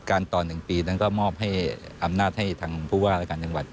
การต่อ๑ปีก็มอบให้อำนาจให้ทางภูวาราชการจังหวัด